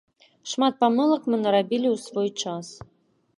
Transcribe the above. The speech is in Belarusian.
Шмат памылак мы нарабілі ў свой час.